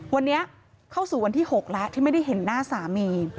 วันนี้เข้าสู่วันที่๖แล้วที่ไม่ได้เห็นหน้าสามี